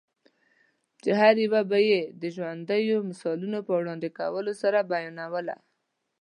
چي هره یوه به یې د ژوندییو مثالو په وړاندي کولو سره بیانوله؛